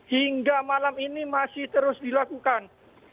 hingga malam ini masih terus dilakukan